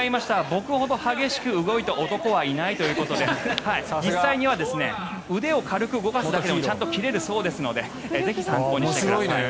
僕ほど激しく動いた男はいないということで実際には腕を軽く動かすだけでもちゃんと切れるそうですのでぜひ参考にしてください。